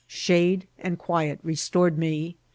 Shade and quiet restored me.